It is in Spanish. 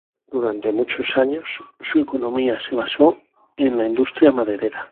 Durante muchos años su economía se basó en la industria maderera.